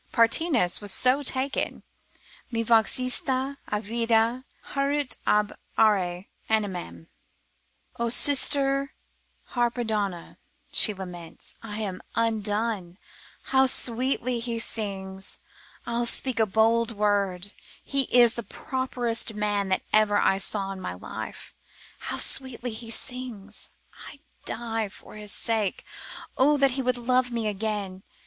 Parthenis was so taken. Mi vox ista avida haurit ab aure animam: O sister Harpedona (she laments) I am undone, how sweetly he sings, I'll speak a bold word, he is the properest man that ever I saw in my life: O how sweetly he sings, I die for his sake, O that he would love me again!